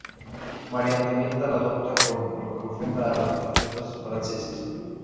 María Antonieta la adopta, con lo que ofende a los patriotas franceses.